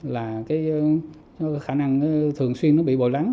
là khả năng thường xuyên bị bội lắng